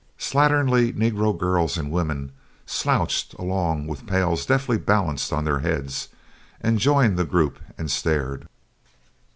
Slatternly negro girls and women slouched along with pails deftly balanced on their heads, and joined the group and stared.